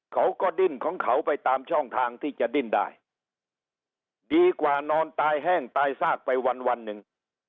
เขาก็ดิ้นของเขาไปตามช่องทางที่จะดิ้นได้ดีกว่านอนตายแห้งตายซากไปวันหนึ่ง